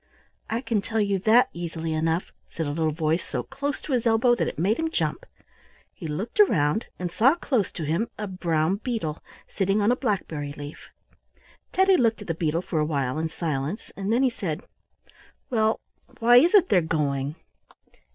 "I can tell you that easily enough," said a little voice so close to his elbow that it made him jump. He looked around and saw close to him a brown beetle, sitting on a blackberry leaf. Teddy looked at the beetle for a while in silence, and then he said, "Well, why is it they're going?"